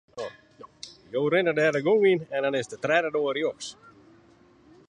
Jo rinne dêr de gong yn en dan is it de tredde doar rjochts.